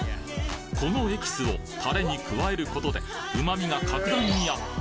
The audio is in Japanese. このエキスをタレに加えることで旨味が格段にアップ。